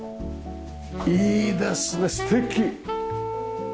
いいですね素敵！